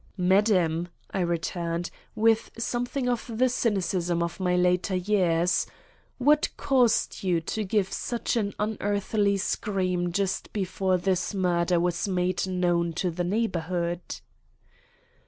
"Madam," I returned, with something of the cynicism of my later years, "what caused you to give such an unearthly scream just before this murder was made known to the neighborhood?"